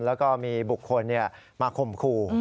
แล้วก็มีบุคคลมาคมครู